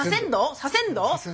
させんどう？